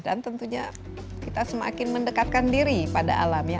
dan tentunya kita semakin mendekatkan diri pada alam ya